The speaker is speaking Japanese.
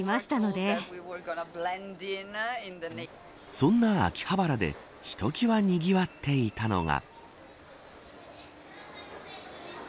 そんな秋葉原でひときわにぎわっていたのが。